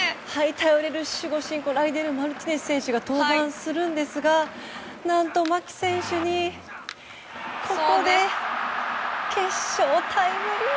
頼れる守護神ライデル・マルティネス選手が登板するんですが何と牧選手に決勝タイムリー。